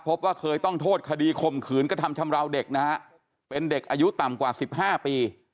พบว่าเคยต้องโทษคดีข่มขืนกระทำชำราวเด็กนะฮะเป็นเด็กอายุต่ำกว่า๑๕ปี